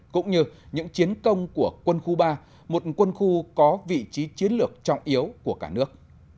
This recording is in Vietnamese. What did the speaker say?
cũng như những chiến công của quân khu ba một quân khu có vị trí chiến lược trọng yếu của cả nước